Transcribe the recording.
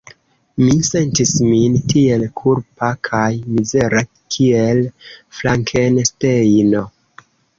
Mi sentis min tiel kulpa kaj mizera kiel Frankenstejno.